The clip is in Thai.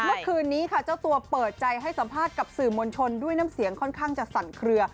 เมื่อคืนนี้ค่ะเจ้าตัวเปิดใจให้สัมภาษณ์กับสื่อมวลชนด้วยน้ำเสียงค่อนข้างจะสั่นเคลือ